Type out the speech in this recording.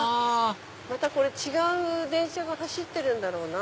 またこれ違う電車が走ってるんだろうな。